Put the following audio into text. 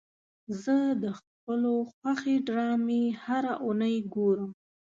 زه د خپلو خوښې ډرامې هره اونۍ ګورم.